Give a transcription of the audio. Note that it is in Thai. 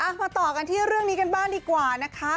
มาต่อกันที่เรื่องนี้กันบ้างดีกว่านะคะ